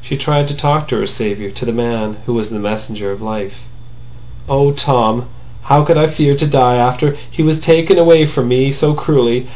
She tried to talk to her saviour, to the man who was the messenger of life. "Oh, Tom! How could I fear to die after he was taken away from me so cruelly!